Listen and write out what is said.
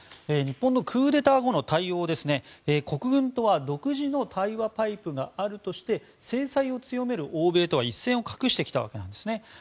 日本のクーデター後の対応ですね国軍とは独自の対話パイプがあるとして制裁を強める欧米とは一線を画してきたわけなんですね。